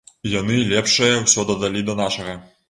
І яны лепшае ўсё дадалі да нашага.